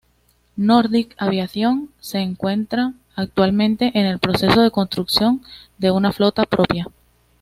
Nordic Aviation se encuentra actualmente en el proceso de construcción de una flota propia.